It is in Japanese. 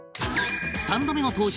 ３度目の登場